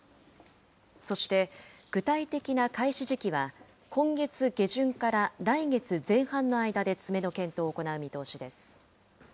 そして具体的な開始時期は、今月下旬から来月前半の間で詰めの検討を行う見通しです。